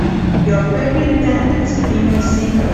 Your favorite band has a female singer.